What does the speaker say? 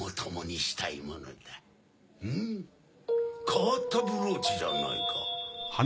変わったブローチじゃないか。